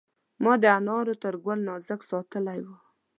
ما د انارو تر ګل نازک ساتلی و.